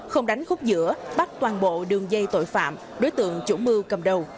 không đánh khúc giữa bắt toàn bộ đường dây tội phạm đối tượng chủ mưu cầm đầu